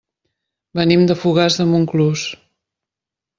Venim de Fogars de Montclús.